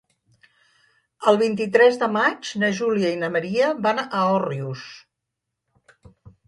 El vint-i-tres de maig na Júlia i na Maria van a Òrrius.